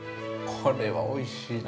これはおいしいね。